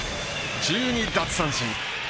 １２奪三振。